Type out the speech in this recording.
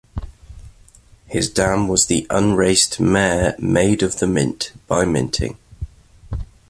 His dam was the unraced mare Maid of the Mint, by Minting.